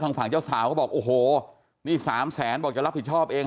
ฝั่งเจ้าสาวเขาบอกโอ้โหนี่สามแสนบอกจะรับผิดชอบเอง